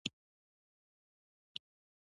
د ایریاب د ولایت رعیت د تیمور حضور ته ورغلل.